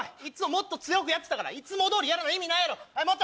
いつももっと強くやってたからいつも通りやらな意味ないやろはい